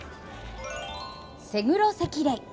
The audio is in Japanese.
セグロセキレイ。